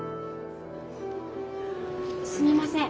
すみません。